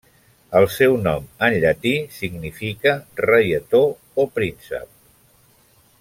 El seu nom en llatí significa 'reietó' o 'príncep'.